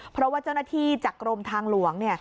เพราะว่าเจ้าหน้าที่จากกรมทางหลวง